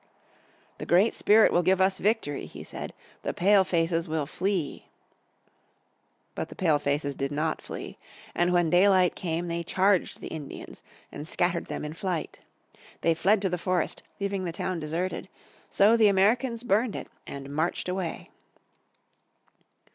"The Great Spirit will give us victory," he said; "the Pale faces will flee." But the Pale faces did not flee. And when daylight came they charged the Indians, and scattered them in flight. They fled to the forest, leaving the town deserted. So the Americans burned it, and marched away.